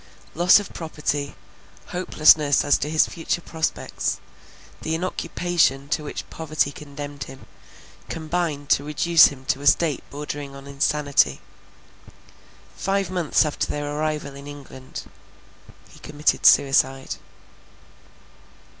Loss of property, hopelessness as to his future prospects, the inoccupation to which poverty condemned him, combined to reduce him to a state bordering on insanity. Five months after their arrival in England, he committed suicide.